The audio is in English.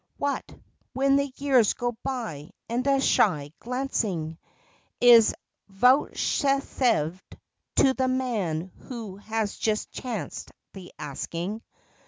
What, when the years go by and a shy glancing Is vouchsafed to the man who has just chanced the asking?